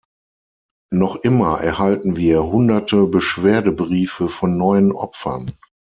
Noch immer erhalten wir Hunderte Beschwerdebriefe von neuen Opfern.